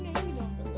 enggak yang ini